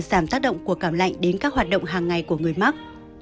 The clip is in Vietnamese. cảm lạnh không có tác động của cảm lạnh đến các hoạt động hàng ngày của người mắc